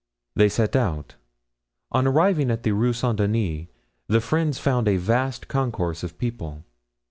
They set out. On arriving at the Rue Saint Denis, the friends found a vast concourse of people.